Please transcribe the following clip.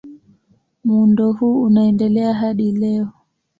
Muundo huu unaendelea hadi leo.